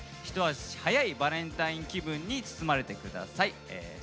一足早いバレンタイン気分に包まれて下さい。